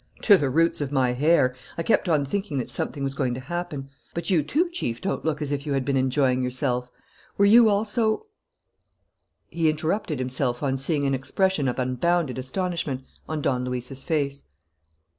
"To the roots of my hair. I kept on thinking that something was going to happen. But you, too, Chief, don't look as if you had been enjoying yourself. Were you also " He interrupted himself, on seeing an expression of unbounded astonishment on Don Luis's face.